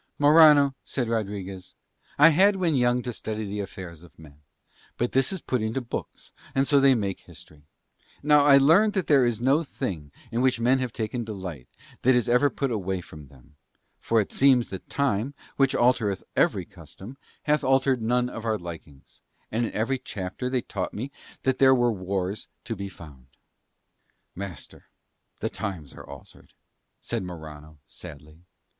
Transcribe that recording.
"Morano," said Rodriguez, "I had when young to study the affairs of men; and this is put into books, and so they make history. Now I learned that there is no thing in which men have taken delight, that is ever put away from them; for it seems that time, which altereth every custom, hath altered none of our likings: and in every chapter they taught me there were these wars to be found." "Master, the times are altered," said Morano sadly.